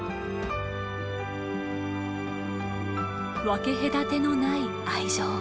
分け隔てのない愛情。